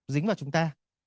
dính vào chúng ta